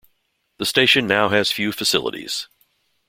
The station now has few facilities.